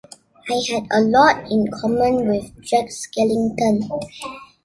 I had a lot in common with Jack Skellington.